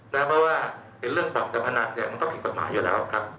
เพราะว่าเห็นเรื่องบ่อนการพนันเนี่ยมันก็ผิดกฎหมายอยู่แล้วครับ